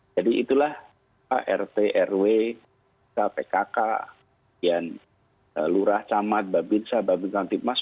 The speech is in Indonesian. jadi itulah art rw kpkk lurah camat babinsa babingkang timas